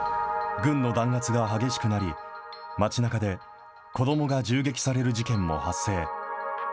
軍の弾圧が激しくなり、街なかで子どもが銃撃される事件も発生。